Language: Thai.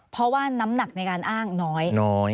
เพราะว่าน้ำหนักในการอ้างน้อย